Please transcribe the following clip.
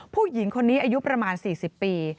ผู้หญิงคนนี้อายุประมาณ๔๐ปี